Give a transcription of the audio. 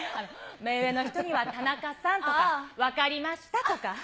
目上の人にはたなかさんとか、分かりましたとか。